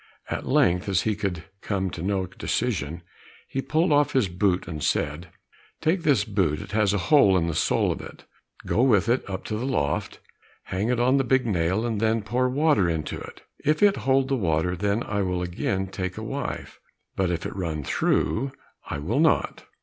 At length as he could come to no decision, he pulled off his boot, and said, "Take this boot, it has a hole in the sole of it. Go with it up to the loft, hang it on the big nail, and then pour water into it. If it hold the water, then I will again take a wife, but if it run through, I will not."